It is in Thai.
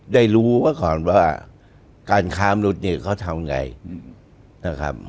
ได้รู้ไว้ก่อนว่าการค้ามนุษย์เนี่ยเขาทำไงนะครับ